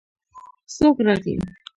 څوک راغی.